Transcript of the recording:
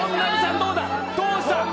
どうした？